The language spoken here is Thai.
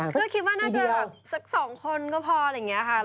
คือคิดว่าน่าจะสักสองคนก็พออะไรอย่างนี้ค่ะ